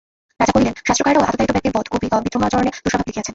রাজা কহিলেন, শাস্ত্রকারেরা আততায়ী ব্যক্তির বধ ও বিদ্রোহাচরণে দোষাভাব লিখিয়াছেন।